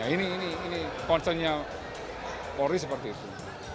ini konsennya polri seperti itu